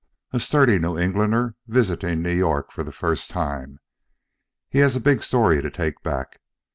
A sturdy New Englander visiting New York for the first time. Has a big story to take back.